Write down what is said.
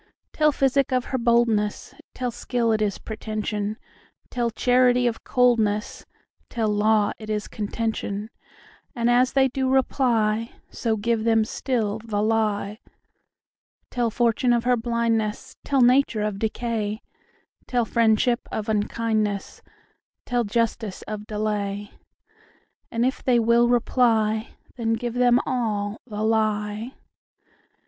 Tell physic of her boldness; Tell skill it is pretension; Tell charity of coldness; Tell law it is contention:And as they do reply, So give them still the lie. Tell fortune of her blindness; Tell nature of decay; Tell friendship of unkindness; Tell justice of delay; And if they will reply, Then give them all the lie.